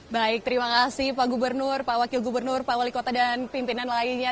baik terima kasih pak gubernur pak wakil gubernur pak wali kota dan pimpinan lainnya